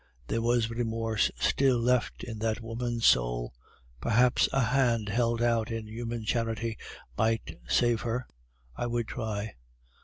There was remorse still left in that woman's soul. Perhaps a hand held out in human charity might save her. I would try.